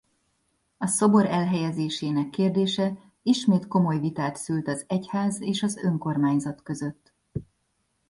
A szobor elhelyezésének kérdése ismét komoly vitát szült az egyház és az önkormányzat között.